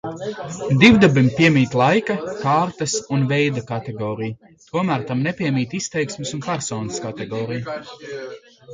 Divdabim piemīt laika, kārtas un veida kategorija, tomēr tam nepiemīt izteiksmes un personas kategorija.